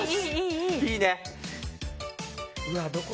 いいね。